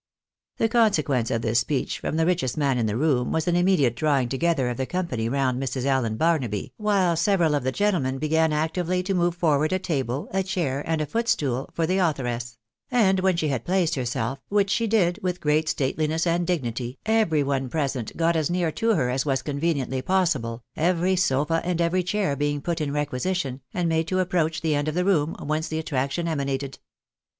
The consequence of this speech from the richest man in the room was an immediate drawing together of the company round Mrs. Allan Barnaby, while several of the gentlemen began actively to move forward a table, a chair, and a footstool, for the authoress ; and when she had placed herself, which she did with great stateU ness and dignity, every one present got as near to her as was conveniently possible, every sofa and every chair being put in requisition , and made to approach the end of the room, whence the attraction emanated.